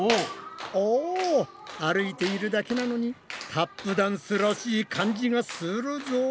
お歩いているだけなのにタップダンスらしい感じがするぞ。